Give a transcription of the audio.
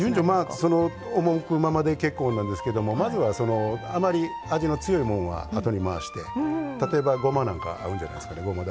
赴くままで結構なんですけどあまり味の強いものはあとに回して例えばごまなんか合うんじゃないですか。